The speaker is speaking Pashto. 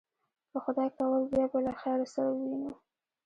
که خدای کول، بیا به له خیره سره ووینو.